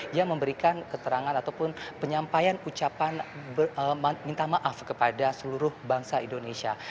dia memberikan keterangan ataupun penyampaian ucapan minta maaf kepada seluruh bangsa indonesia